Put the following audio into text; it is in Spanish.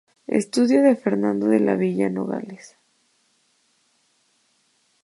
Estudio de Fernando de la Villa Nogales.